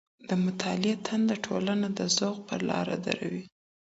د مطالعې تنده ټولنه د ذوق پر لاره دروي.